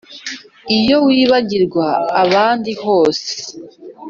iyo wibagirwa abandi hose